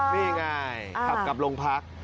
นี่ไงขับกลับลงพัก